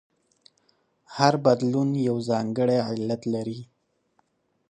هر بدلون یو ځانګړی علت لري.